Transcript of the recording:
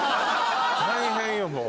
大変よもう。